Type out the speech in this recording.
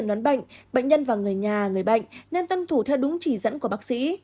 trong trường đoán bệnh bệnh nhân và người nhà người bệnh nên tân thủ theo đúng chỉ dẫn của bác sĩ